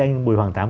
anh bùi hoàng tám